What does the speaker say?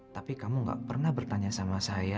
tapi kamu gak pernah bertanya sama saya